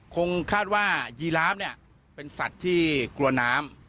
คงคาดว่ายีร้าบเป็นสัตว์ที่กลัวน้ำ